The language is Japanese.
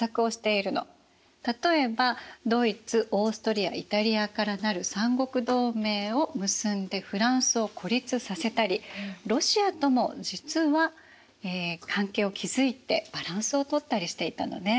例えばドイツオーストリアイタリアから成る三国同盟を結んでフランスを孤立させたりロシアとも実は関係を築いてバランスをとったりしていたのね。